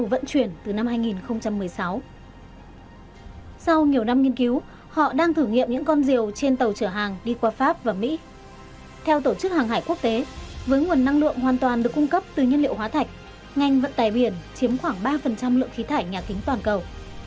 vận tải biển chiếm khoảng ba lượng khí tải nhà kính toàn cầu